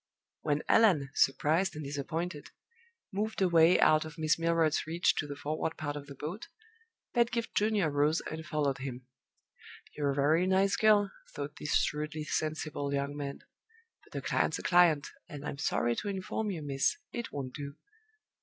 When Allan surprised and disappointed moved away out of Miss Milroy's reach to the forward part of the boat, Pedgift Junior rose and followed him. "You're a very nice girl," thought this shrewdly sensible young man; "but a client's a client; and I am sorry to inform you, miss, it won't do."